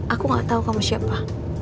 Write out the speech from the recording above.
aku gak tahu kamu siapa